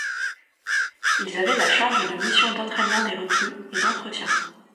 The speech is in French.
Ils avaient la charge de missions d'entraînement des recrues et d'entretien.